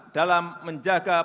dalam menjaga perkembangan